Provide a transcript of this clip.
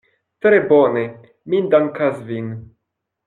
Tre bone, mi dankas vin.